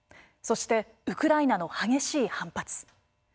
そしてウクライナの激しい反発。